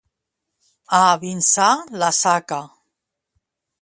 A Vinçà, la saca.